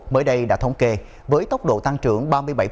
mới đây đã thống kê với tốc độ tăng trưởng ba mươi bảy